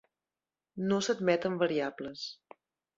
No s'admeten variables.